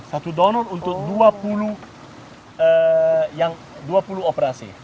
satu donor untuk dua puluh operasi